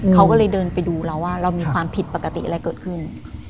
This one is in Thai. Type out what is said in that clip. เขาก็เลยเดินไปดูเราว่าเรามีความผิดปกติอะไรเกิดขึ้น